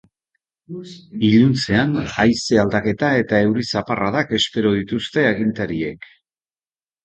Iluntzean haize aldaketa eta euri zaparradak espero dituzte agintariek.